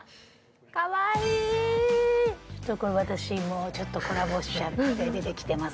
可愛い私もちょっとコラボしちゃって出てきてます